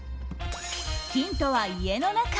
ヒントは家の中。